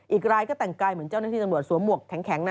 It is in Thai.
อีกรายก็แต่งกายเหมือนเจ้าหน้าที่ตำรวจสวมหวกแข็งนะ